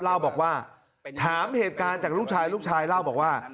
เล่าบอกว่าถามเหตุการณ์จากลูกชายลูกชายเล่าบอกว่า